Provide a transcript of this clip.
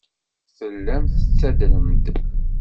Tellam tettadrem-d.